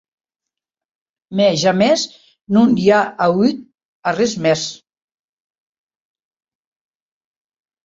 Mès jamès non i a auut arrés mès.